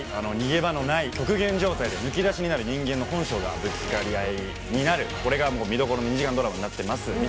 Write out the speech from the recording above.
逃げ場のない極限状態でむき出しになる人間の本性がぶつかり合いになるこれが見どころの２時間ドラマになってます。